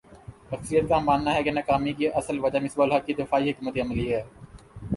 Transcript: اکثریت کا ماننا ہے کہ ناکامی کی اصل وجہ مصباح الحق کی دفاعی حکمت عملی ہے